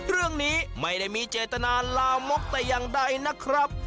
เรื่องนี้ไม่ได้มีเจตนาลามกแต่อย่างใดนะครับ